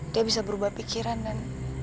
dia bisa berubah pikiran dan